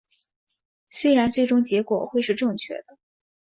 虽然最终结果会是正确的